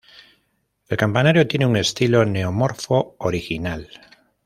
El campanario tiene un estilo neo-morfo original.